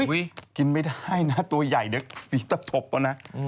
อุ๊ยกินไม่ได้นะตัวใหญ่เดี๋ยวนี้สับปบก็นะ